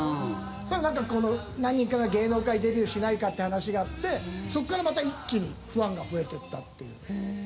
そしたら、何人かが芸能界デビューしないかって話があってそこからまた一気にファンが増えていったという。